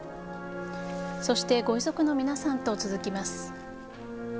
そしてご遺族の皆さんと続きます。